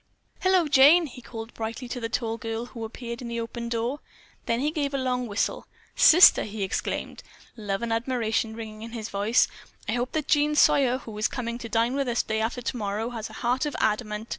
"Hello, Jane," he called brightly to the tall girl, who appeared in the open door. Then he gave a long whistle. "Sister," he exclaimed, love and admiration ringing in his voice, "I hope that Jean Sawyer, who is coming to dine with us day after tomorrow, has a heart of adamant.